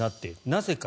なぜか。